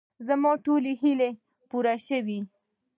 زما ټولې هیلې پوره شوې.